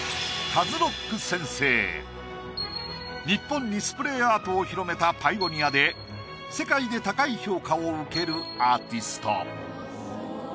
日本にスプレーアートを広めたパイオニアで世界で高い評価を受けるアーティスト。